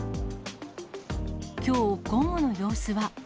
きょう午後の様子は。